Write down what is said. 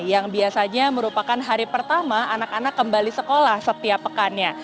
yang biasanya merupakan hari pertama anak anak kembali sekolah setiap pekannya